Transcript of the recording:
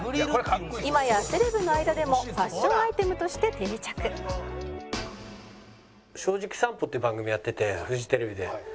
今やセレブの間でもファッションアイテムとして定着」『正直さんぽ』って番組やっててフジテレビで。